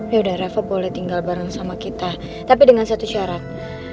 ya udah revo boleh tinggal bareng sama kita tapi dengan satu syarat